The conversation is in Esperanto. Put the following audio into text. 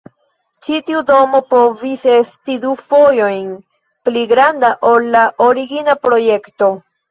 Ĉi tiu domo povis esti du fojojn pli granda ol la origina projekto.